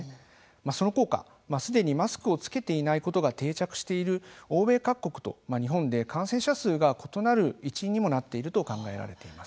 その効果、すでにマスクを着けていないことが定着している欧米各国と日本で感染者数が異なる一因にもなっていると考えられています。